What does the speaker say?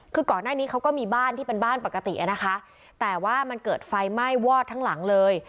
คือก่อนหน้านี้เขาก็มีบ้านที่เป็นบ้านปกติอ่ะนะคะแต่ว่ามันเกิดไฟไหม้วอดทั้งหลังเลย